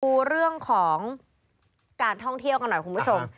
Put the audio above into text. ดูเรื่องของการท่องเที่ยวกันหน่อยคุณผู้ชม